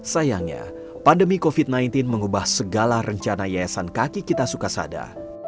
sayangnya pandemi covid sembilan belas mengubah segala rencana yayasan kaki kita sukasada